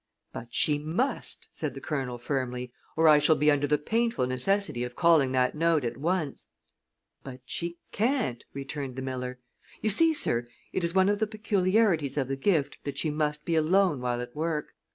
"But she must," said the Colonel, firmly, "or I shall be under the painful necessity of calling that note at once." [Illustration: "THERE'S THE MONEY, SIR"] "But she can't," returned the miller. "You see, sir, it is one of the peculiarities of the gift that she must be alone while at work.